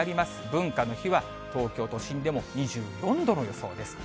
文化の日は東京都心でも２４度の予想です。